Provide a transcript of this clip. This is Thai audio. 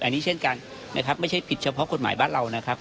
อันนี้เช่นกันนะครับไม่ใช่ผิดเฉพาะกฎหมายบ้านเรานะครับ